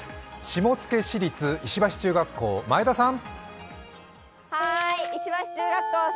下野市立石橋中学校、前田さん。